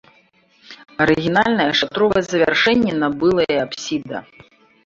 Арыгінальнае шатровае завяршэнне набыла і апсіда.